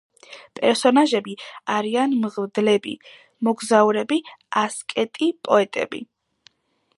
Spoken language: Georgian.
პერსონაჟები არიან მღვდლები, მოგზაურები, ასკეტი პოეტები.